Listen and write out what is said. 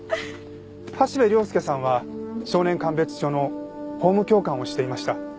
橋部亮介さんは少年鑑別所の法務教官をしていました。